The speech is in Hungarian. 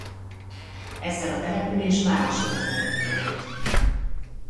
Ezzel a település városi jelleget öltött.